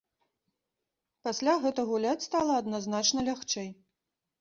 Пасля гэта гуляць стала адназначна лягчэй.